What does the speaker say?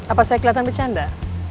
apa saya kelihatan bercanda